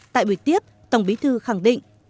tại buổi tiếp tổng bí thư khẳng định